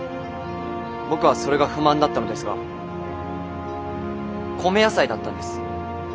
僕はそれが不満だったのですが米野菜だったんです。